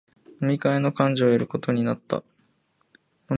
飲み会の幹事をやることになった